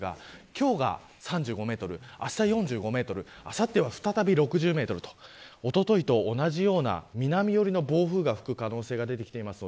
今日が３５メートルあした４５メートルあさっては再び６０メートルとおとといと同じような南寄りの暴風が吹く可能性が出てきています。